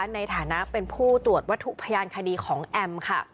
ในฐานะเป็นผู้ตรวจวัตถุพยานคดีของแอมค่ะ